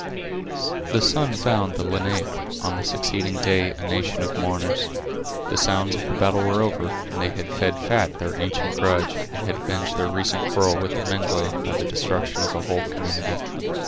The sun found the Lenape, on the succeeding day, a nation of mourners. The sounds of the battle were over, and they had fed fat their ancient grudge, and had avenged their recent quarrel with the Mengwe, by the destruction of a whole community.